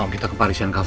kita ke parisian cafe ya